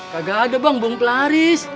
kagak ada bang bom pelaris